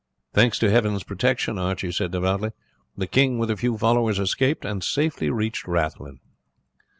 "Thanks to Heaven's protection," Archie said devoutly, "the king with a few followers escaped and safely reached Rathlin!"